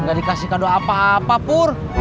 enggak dikasih kado apa apa pur